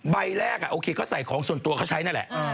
ใบแรกโอเคก็ใส่ของส่วนตัวเขาใช้นั่นแหละ